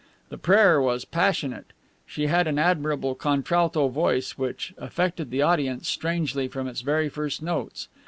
The prayer was passionate. She had an admirable contralto voice which affected the audience strangely from its very first notes.